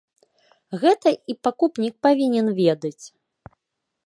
Гэта і пакупнік павінен ведаць.